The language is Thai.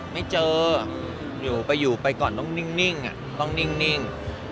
ไม่เจออยู่ไปต้องนิ่ง